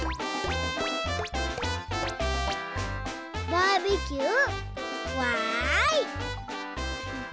バーベキューわい！